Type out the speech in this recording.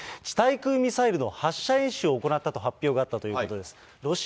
地対空ミサイルの発射演習を行ったと発表があったということです。